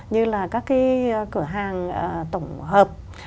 như là các cái cửa hàng tổng hợp